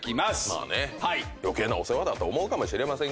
まあね余計なお世話だと思うかもしれませんけども。